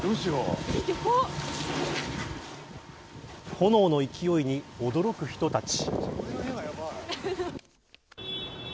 炎の勢いに驚く人たち。